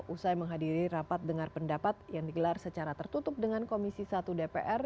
usai menghadiri rapat dengar pendapat yang digelar secara tertutup dengan komisi satu dpr